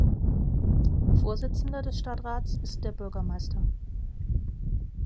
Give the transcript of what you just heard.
Vorsitzender des Stadtrats ist der Bürgermeister.